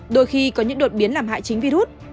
đôi khi có những đột biến làm hại chính virus